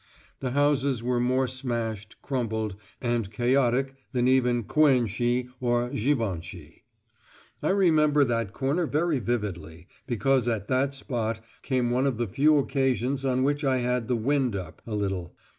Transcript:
The houses were more smashed, crumpled, and chaotic than even Cuinchy or Givenchy. I remember that corner very vividly, because at that spot came one of the few occasions on which I had the "wind up" a little.